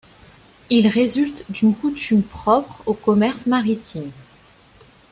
Il résulte d'une coutume propre au commerce maritime.